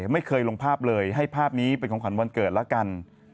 ไม่เคยลงภาพเลยให้ภาพนี้เป็นของขวัญวันเกิดละกัน